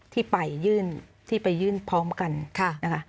ที่ไปยื่นพร้อมกันนะคะ